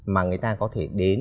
mà người ta có thể đến